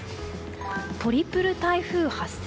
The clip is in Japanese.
トリプル台風発生。